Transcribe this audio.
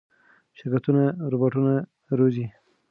شرکتونه روباټونه روزي.